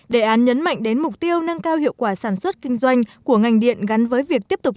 đề án nhấn mạnh đến mục tiêu nâng cao hiệu quả sản xuất kinh doanh của ngành điện gắn với việc tiếp tục